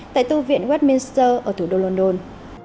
tại tư viện westminster ở thủ đô london